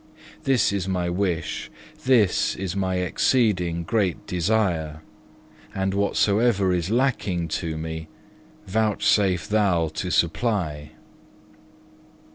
This is my wish, this is my exceeding great desire, and whatsoever is lacking to me, vouchsafe Thou to supply.